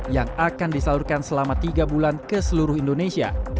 yang akan disalurkan selama tiga bulan ke seluruh indonesia